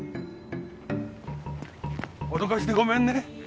おどかしてごめんね。